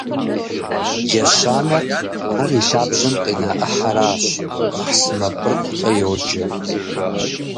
Ещанэр, ар и лъабжьэм къина ӏыхьэращ, махъсымэ быркъукӏэ йоджэ.